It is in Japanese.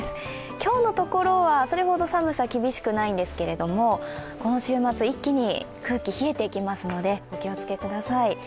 今日のところはそれほど寒さ厳しくないんですけれども、今週末、一気に空気が冷えてきますのでお気をつけください。